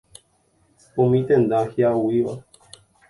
Umi tenda hi'ag̃uíva.